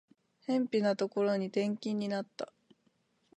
辺ぴなところに転勤になった